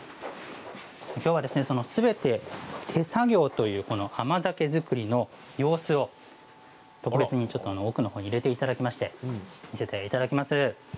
きょうはすべて手作業という甘酒造りの様子を特別に奥のほうに入れていただきまして見せていただきます。